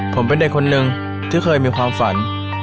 ผมเป็นเด็กคนหนึ่งที่เคยมีความฝัน